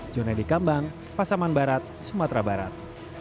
jone di kambang pasaman barat sumatera barat